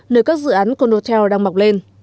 nơi các dự án condotel đang mọc lên